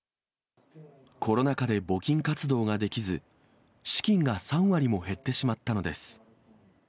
コロナ禍で募金活動ができず、資金が３割も減ってしまったのです。